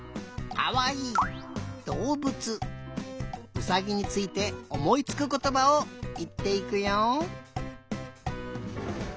うさぎについておもいつくことばをいっていくよ。